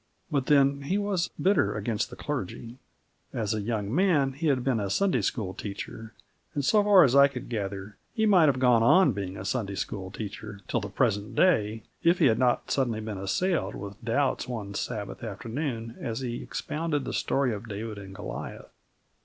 But then he was bitter against the clergy. As a young man, he had been a Sunday school teacher, and so far as I could gather, he might have gone on being a Sunday school teacher till the present day if he had not suddenly been assailed with doubts one Sabbath afternoon as he expounded the story of David and Goliath.